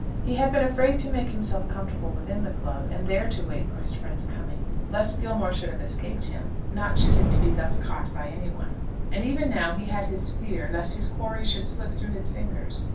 He had been afraid to make himself comfortable within the club, and there to wait for his friend's coming, lest Gilmore should have escaped him, not choosing to be thus caught by any one; and even now he had his fear lest his quarry should slip through his fingers.